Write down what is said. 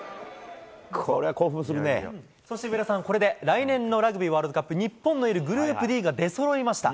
そして上田さん、これで来年のラグビーワールドカップ、日本のいるプールＤが出そろいました。